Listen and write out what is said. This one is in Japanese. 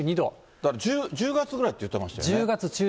だから１０月ぐらいって言ってましたよね。